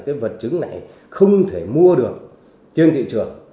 cái vật chứng này không thể mua được trên thị trường